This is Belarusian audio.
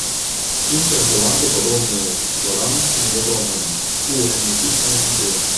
Іншыя прылады падобнай складанасці невядомыя ў эліністычнай культуры.